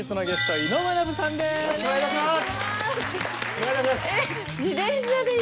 はい。